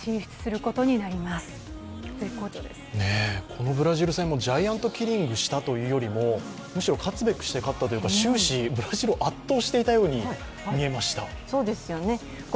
このブラジル戦もジャイアントキリングしたというよりも、むしろ勝つべくして勝ったというか、終始、ブラジルを圧倒していたように見えます。